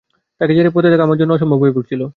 তাকে ছেড়ে থাকা আমার জন্য অসম্ভব হয়ে পড়েছিল।